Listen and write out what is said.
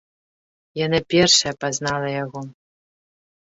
Яна першая пазнала яго.